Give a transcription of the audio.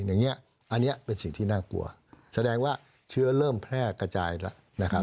อย่างนี้อันนี้เป็นสิ่งที่น่ากลัวแสดงว่าเชื้อเริ่มแพร่กระจายแล้วนะครับ